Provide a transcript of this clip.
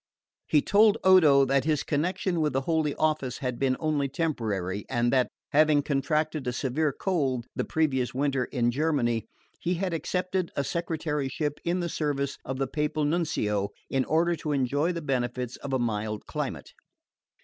He told Odo that his connection with the Holy Office had been only temporary, and that, having contracted a severe cold the previous winter in Germany, he had accepted a secretaryship in the service of the Papal Nuncio in order to enjoy the benefits of a mild climate.